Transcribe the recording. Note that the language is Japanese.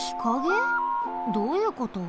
どういうこと？